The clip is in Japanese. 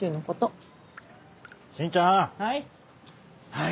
はい？